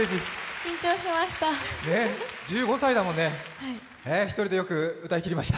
緊張しました。